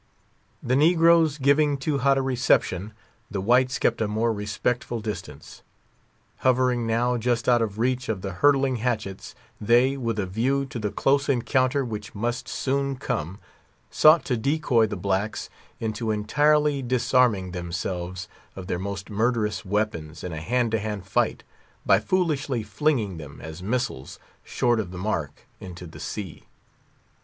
The negroes giving too hot a reception, the whites kept a more respectful distance. Hovering now just out of reach of the hurtling hatchets, they, with a view to the close encounter which must soon come, sought to decoy the blacks into entirely disarming themselves of their most murderous weapons in a hand to hand fight, by foolishly flinging them, as missiles, short of the mark, into the sea.